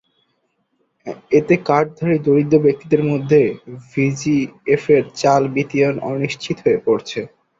এতে কার্ডধারী দরিদ্র ব্যক্তিদের মধ্যে ভিজিএফের চাল বিতরণ অনিশ্চিত হয়ে পড়েছে।